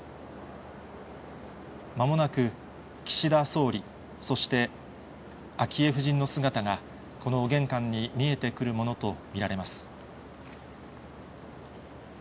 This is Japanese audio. まもなく岸田総理、そして昭恵夫人の姿が、この玄関に見えてくるものと見られます。